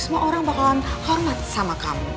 semua orang bakalan hormat sama kamu